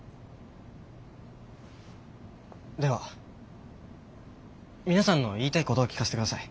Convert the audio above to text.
では皆さんの言いたいことを聞かせてください。